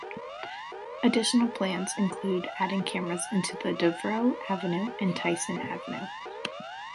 Additional plans include adding cameras at Devereaux Avenue and Tyson Avenue.